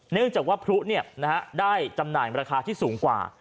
เนื่องจากว่าพลุได้จำหน่ายราคาที่สูงกว่า